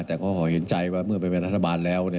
แต่ก็ขอเห็นใจว่าเมื่อไปเป็นรัฐบาลแล้ว